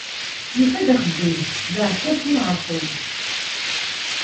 Yufa-d axeddim : d aɛessas n uɛerqub.